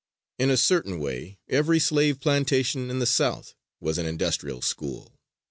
In a certain way every slave plantation in the South was an industrial school.